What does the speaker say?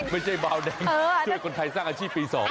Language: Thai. ไม่ใช่เบาแดงช่วยคนไทยสร้างอาชีพปี๒